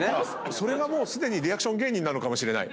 それがもうすでにリアクション芸人なのかもしれない。